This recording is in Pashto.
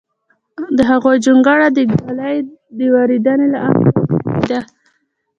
د هغوی جونګړه د ږلۍ وریدېنې له امله ونړېده